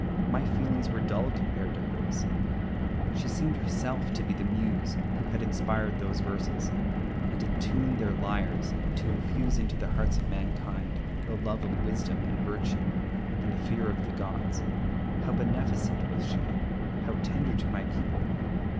My feelings were dull compared to hers. She seemed herself to be the muse who had inspired those verses, and had tuned their lyres to infuse into the hearts of mankind the love of wisdom and virtue and the fear of the gods. How beneficent was she, how tender to my people!